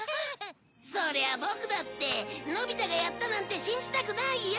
そりゃあボクだってのび太がやったなんて信じたくないよ。